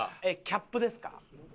キャップですか？